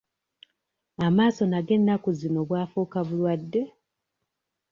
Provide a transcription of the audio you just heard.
Amaaso nago ennaku zino bwafuuka bulwadde?